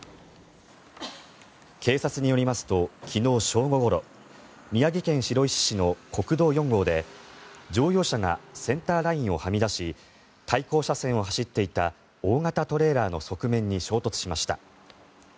警察によりますと昨日正午ごろ宮城県白石市の国道４号で乗用車がセンターラインをはみ出し対向車線を走っていた大型トレーラーの側面に衝突しました。